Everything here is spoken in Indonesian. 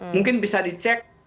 mungkin bisa dicek